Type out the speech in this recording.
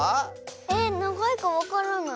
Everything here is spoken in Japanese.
えっながいかわからない。